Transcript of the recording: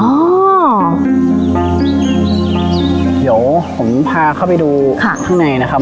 เดี๋ยวผมพาเข้าไปดูข้างในนะครับ